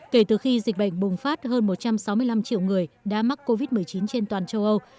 kể từ khi dịch bệnh bùng phát hơn một trăm sáu mươi năm triệu người đã mắc covid một mươi chín trên toàn châu âu